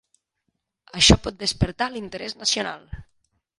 Això pot despertar l'interès nacional!